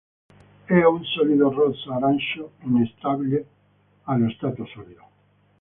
È un solido rosso-arancio, instabile allo stato solido.